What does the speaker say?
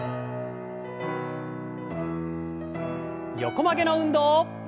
横曲げの運動。